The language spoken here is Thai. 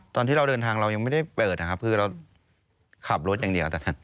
ตอนที่เราเดินทางเรายังไม่ได้เปิดนะครับคือเราขับรถอย่างเดียวตอนนั้น